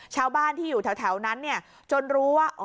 ชาวบ้านที่อยู่แถวนั้นจนรู้ว่า